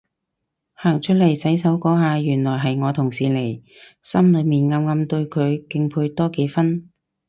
行出嚟洗手嗰下原來係我同事嚟，心裏面暗暗對佢敬佩多幾分